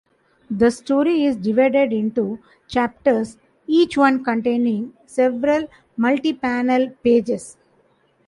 The story is divided into chapters, each one containing several multipanel pages.